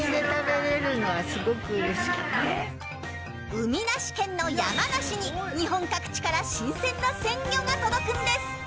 海なし県の山梨に日本各地から新鮮な鮮魚が届くんです。